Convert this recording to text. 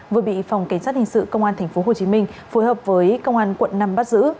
vừa bị phòng cảnh sát hình sự công an tp hcm phối hợp với công an quận năm bắt giữ